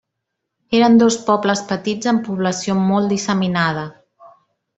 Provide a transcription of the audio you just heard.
Eren dos pobles petits amb població molt disseminada.